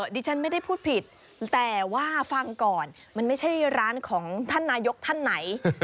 ดิฉันไม่ได้พูดผิดแต่ว่าฟังก่อนมันไม่ใช่ร้านของท่านนายกท่านไหน